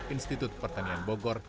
institut pertanian bogor